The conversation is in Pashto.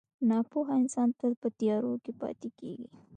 • ناپوهه انسان تل په تیارو کې پاتې کېږي.